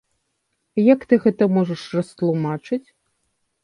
Як ты гэта можаш растлумачыць?